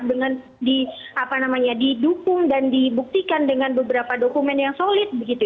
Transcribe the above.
dengan didukung dan dibuktikan dengan beberapa dokumen yang solid